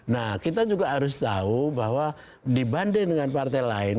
nah kita juga harus tahu bahwa dibanding dengan partai lain